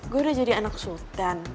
gue udah jadi anak sultan